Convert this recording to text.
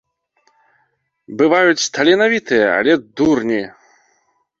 Бываюць таленавітыя, але дурні.